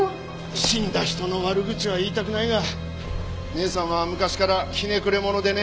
死んだ人の悪口は言いたくないが姉さんは昔からひねくれ者でね。